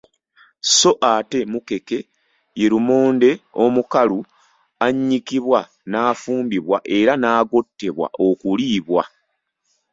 Sso ate mukeke ye lumonde omukalu annyikibwa n’afumbibwa era n’agottebwa okuliibwa.